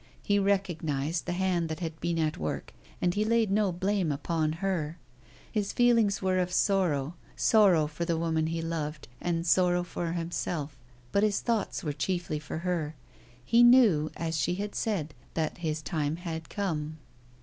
He recognized the hand that had been at work, and he laid no blame upon her. His feelings were of sorrow sorrow for the woman he loved, and sorrow for himself. But his thoughts were chiefly for her. He knew, as she had said, that his time had come.